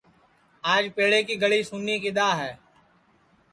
آج پیڑے کی گݪی سُنی کِدؔا ہے